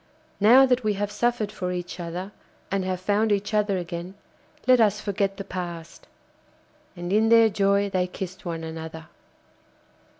Now that we have suffered for each other, and have found each other again, let us forget the past.' And in their joy they kissed one another.